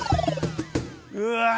うわ。